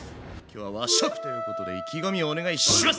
今日は和食ということで意気込みをお願いします！